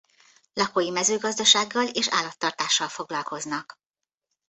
Lakói mezőgazdasággal és állattartással foglalkoznak.